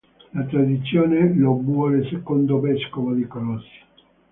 La tradizione lo vuole secondo vescovo di Colossi.